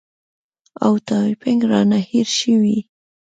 او ټایپینګ رانه هېر شوی